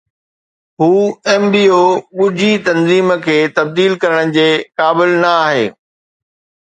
هو Mbo ڳجهي تنظيم کي تبديل ڪرڻ جي قابل نه آهي